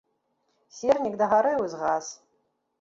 Сернік дагарэў і згас.